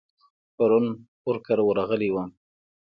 پرون ور کره ورغلی وم.